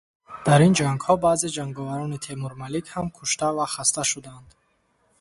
Дар ин ҷангҳо баъзе ҷанговарони Темурмалик ҳам кушта ва хаста шуданд.